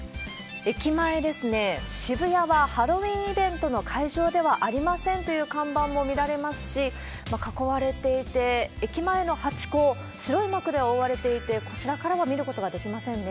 駅前ですね、渋谷はハロウィンイベントの会場ではありませんという看板も見られますし、囲われていて、駅前のハチ公、白い幕で覆われていて、こちらからは見ることができませんね。